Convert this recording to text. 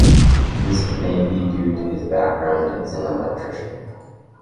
This may be due to his background as an electrician.